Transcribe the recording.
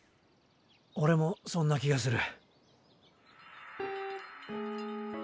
オレもそんな気がする。